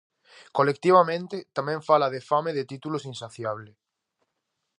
Colectivamente, tamén fala de fame de títulos insaciable.